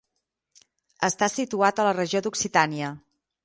Està situat a la regió d'Occitània.